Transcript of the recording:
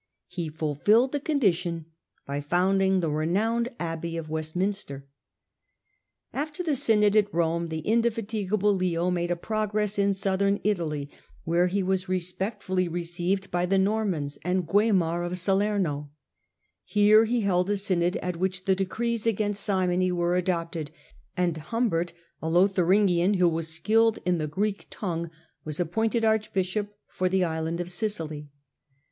He fulfilled the condition by founding the^ renowned abbey of Westminster. After the synod at Rome, the indefatigable Leo made a progress in Southern Italy, where he was respect Leo visits ftiUy received by the Normans, and Waimar Apulia ^f Salerno. Here he held a synod at which the decrees against simony were adopted, and Humbert, a Lotharingian who was skilled in the Greek tongue, was appointed archbishop for the island of Sicily.